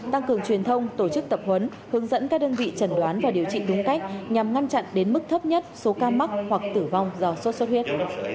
tăng cường truyền thông tổ chức tập huấn hướng dẫn các đơn vị trần đoán và điều trị đúng cách nhằm ngăn chặn đến mức thấp nhất số ca mắc hoặc tử vong do sốt xuất huyết